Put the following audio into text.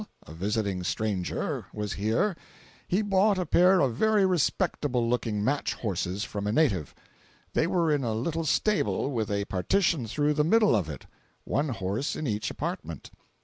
a visiting stranger, was here, he bought a pair of very respectable looking match horses from a native. They were in a little stable with a partition through the middle of it—one horse in each apartment.